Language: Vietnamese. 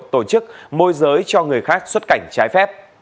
tổ chức môi giới cho người khác xuất cảnh trái phép